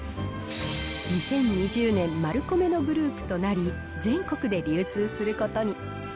２０２０年、マルコメのグループとなり、全国で流通することに。